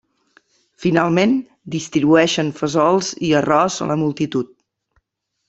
Finalment, distribueixen fesols i arròs a la multitud.